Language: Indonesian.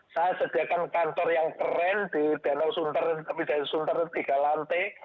saya sediakan kantor yang keren di danau suntar tapi di danau suntar tiga lantai